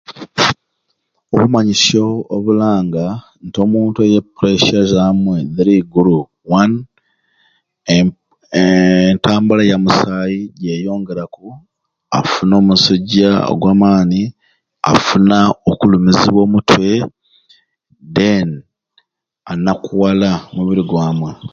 Obumanyisyo obulanga nti omuntu oyo e puresha zaamwe ziri igulu wanu enti ee entambula ya musaayi gyeyongeraku afuna omusujja ogwamaani afuna okulumizibwa omutwe deni anakuwala omubiri gwamwe.